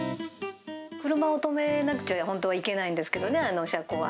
車を止めなくちゃ本当はいけないんですけどね、あの車庫は。